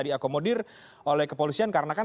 diakomodir oleh kepolisian karena kan